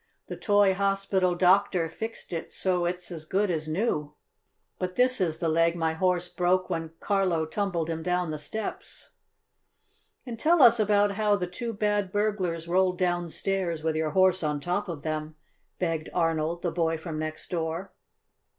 "The toy hospital doctor fixed it so it's as good as new. But this is the leg my Horse broke when Carlo tumbled him down the steps." "And tell us about how the two bad burglars rolled downstairs with your horse on top of them," begged Arnold, the boy from next door.